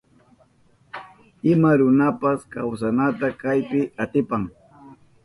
Ima runapas kawsanata kaypi atipan.